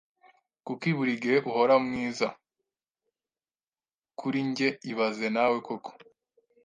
Kuki buri gihe uhora mwiza kuri njye ibaze nawe koko